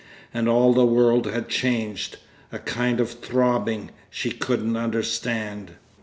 And all the world had changed. A kind of throbbing. She couldn't understand.